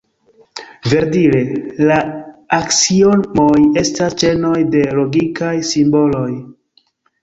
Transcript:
Verdire, la aksiomoj estas ĉenoj de logikaj simboloj.